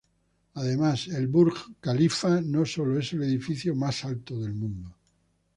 Además, el Burj Khalifa no sólo es el edificio más alto del mundo.